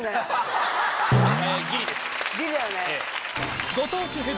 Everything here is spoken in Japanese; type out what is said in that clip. ギリだよね。